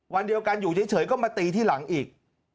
วันเดียวกันอยู่เฉยก็มาตีที่หลังอีก